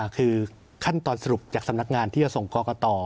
คือขั้นตอนสรุปจากสำนักงานที่จะส่งกรกต